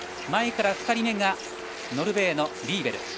前から２人目がノルウェーのリーベル。